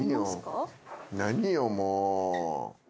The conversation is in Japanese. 何よもう。